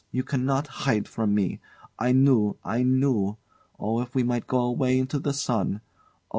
You cannot hide from me. I knew I knew! Oh, if we might go away into the sun! Oh!